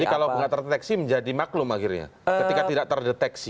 jadi kalau nggak terdeteksi menjadi maklum akhirnya ketika tidak terdeteksi